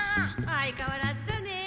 相かわらずだねえ。